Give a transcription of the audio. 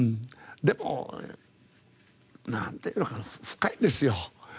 でも、なんて言うのかな深いんですよ。